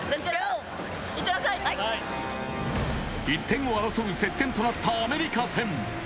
１点を争う接戦となったアメリカ戦。